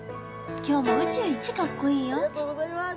今日も宇宙一かっこいいよ「ありがとうございます」